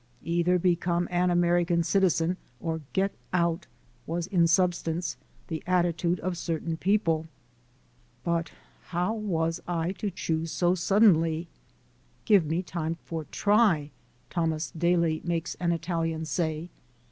"Either become an American citizen or get out," was in substance the attitude of certain people. But how was I to choose so suddenly? "Give me time for try," Thomas Daly makes an Italian say.